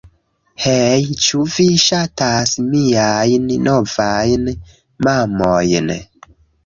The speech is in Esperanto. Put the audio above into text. Hej' ĉu vi ŝatas miajn novajn mamojn